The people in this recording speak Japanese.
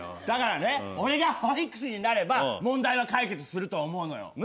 だからね俺が保育士になれば問題は解決すると思うのよ。